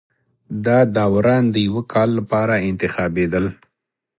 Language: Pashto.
دا داوران د یوه کال لپاره انتخابېدل